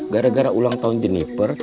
gara gara ulang tahun jennifer